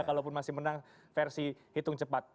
kalaupun masih menang versi hitung cepat